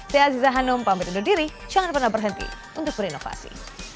saya aziza hanum pamit undur diri jangan pernah berhenti untuk berinovasi